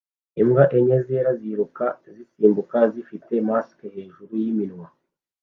Imbwa enye zera ziriruka zisimbuka zifite masike hejuru yiminwa